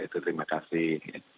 itu terima kasih